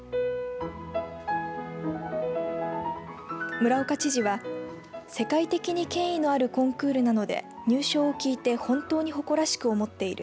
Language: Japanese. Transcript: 村岡知事は世界的に権威のあるコンクールなので入賞を聞いて本当に誇らしく思っている。